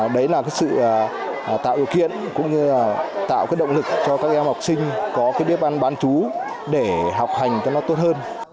đấy là sự tạo ưu kiện cũng như tạo động lực cho các em học sinh có bếp ăn bán chú để học hành cho nó tốt hơn